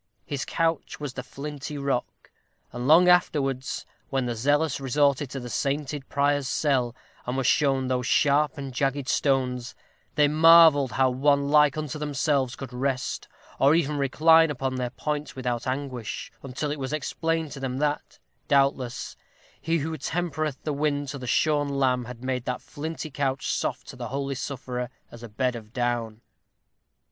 His couch was the flinty rock; and long afterwards, when the zealous resorted to the sainted prior's cell, and were shown those sharp and jagged stones, they marvelled how one like unto themselves could rest, or even recline upon their points without anguish, until it was explained to them that, doubtless, He who tempereth the wind to the shorn lamb had made that flinty couch soft to the holy sufferer as a bed of down.